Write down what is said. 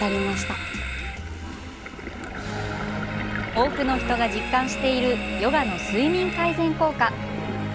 多くの人が実感しているヨガの睡眠改善効果。